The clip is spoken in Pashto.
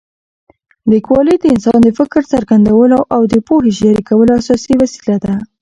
لیکوالي د انسان د فکر څرګندولو او د پوهې شریکولو اساسي وسیله ده.